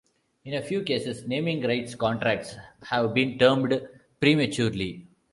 In a few cases, naming rights contracts have been terminated prematurely.